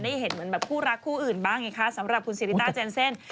ได้เห็นเหมือนแบบคู่รักคู่อื่นบ้างไงคะสำหรับคุณซิริต้าเจนเซ่น